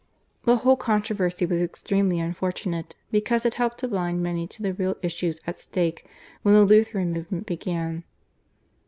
The whole controversy was extremely unfortunate, because it helped to blind many to the real issues at stake when the Lutheran movement began.